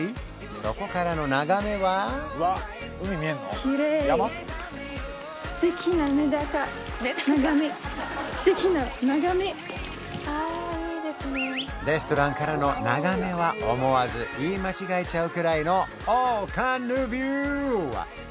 そこからの眺めはレストランからの眺めは思わず言い間違えちゃうくらいのオーカンヌビュー！